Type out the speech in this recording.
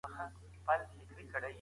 معلومات شريک کړئ.